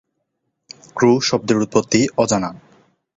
Crew শব্দের উৎপত্তি অজানা।